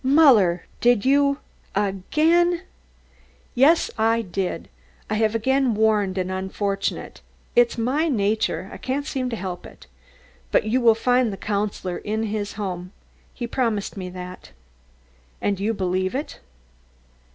"Muller! Did you, again " "Yes, I did! I have again warned an unfortunate. It's my nature, I can't seem to help it. But you will find the Councillor in his house. He promised me that." "And you believe it?"